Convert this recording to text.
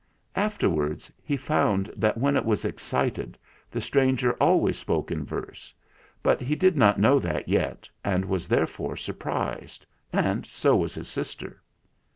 Afterwards he found that when it was excited the stranger always spoke in verse ; but he did not know that yet, and was therefore surprised; and so was his sister.